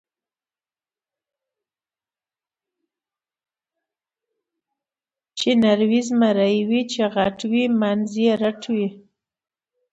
چې نری وي زمری وي، چې غټ وي منځ یې رټ وي.